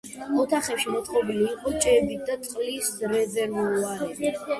ოთახებში მოწყობილი იყო ჭები და წყლის რეზერვუარები.